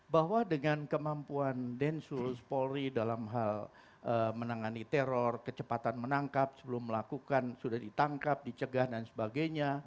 bahwa dengan kemampuan densus polri dalam hal menangani teror kecepatan menangkap sebelum melakukan sudah ditangkap dicegah dan sebagainya